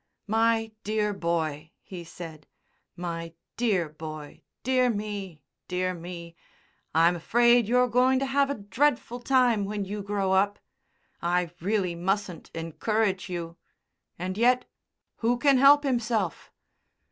"My dear boy," he said, "my dear boy dear me, dear me. I'm afraid you're going to have a dreadful time when you grow up. I really mustn't encourage you. And yet, who can help himself?"